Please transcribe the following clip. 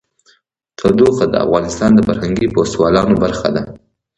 تودوخه د افغانستان د فرهنګي فستیوالونو برخه ده.